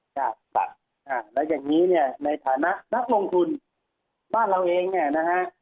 ครับอ่าแล้วอย่างนี้เนี่ยในฐานะนักลงทุนบ้านเราเองเนี่ยนะฮะ